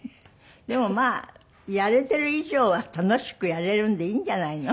でもまあやれてる以上は楽しくやれるんでいいんじゃないの？